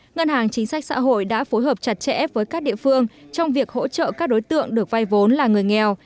ngân hàng chính sách xã hội đã phối hợp chặt chẽ với các địa phương trong việc hỗ trợ các đối tượng được vay vốn là người nghèo